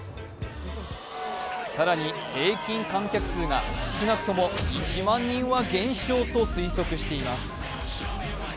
更に、平均観客数が少なくとも１万人は減少と推測しています。